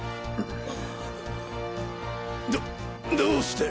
どどうして。